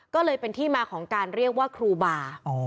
ก็เลยเป็นที่มาของการเรียกว่าครูบา